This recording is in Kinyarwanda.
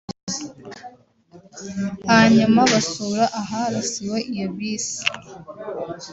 hanyuma basura aharasiwe iyo bisi